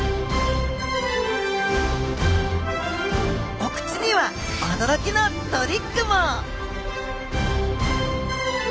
お口には驚きのトリックも！